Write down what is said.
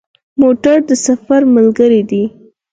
موټر د سفر ملګری دی.